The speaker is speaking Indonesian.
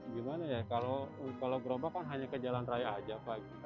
gimana ya kalau gerobak kan hanya ke jalan raya aja